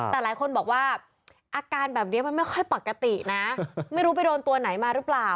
แต่หลายคนบอกว่าอาการแบบนี้มันไม่ค่อยปกตินะไม่รู้ไปโดนตัวไหนมาหรือเปล่า